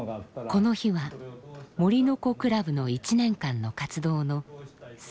この日は森の子クラブの１年間の活動の最後の日でした。